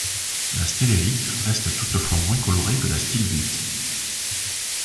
La stellérite reste toutefois moins colorée que la stilbite.